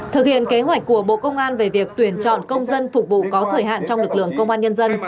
thực hiện kế hoạch của bộ công an về việc tuyển chọn công dân phục vụ có thời hạn trong lực lượng công an nhân dân